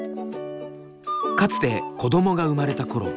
かつて子どもが生まれたころ